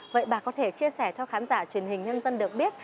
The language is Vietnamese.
vậy bà có thể chia sẻ cho khán giả truyền hình nhân dân được biết